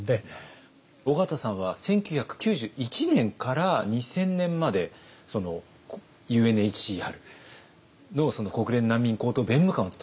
緒方さんは１９９１年から２０００年までＵＮＨＣＲの国連難民高等弁務官を務められた。